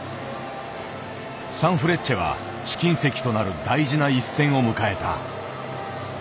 サンフレッチェは試金石となる大事な一戦を迎えた。